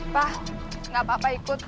pak kenapa pak ikut